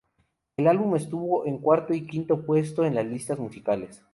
El álbum estuvo en cuarto y quinto puesto en las listas musicales.